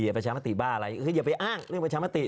เดี๋ยวประชามาติบ้าอะไรอย่าไปอ้างเรื่องประชามาติ